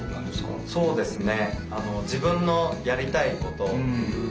そうですね。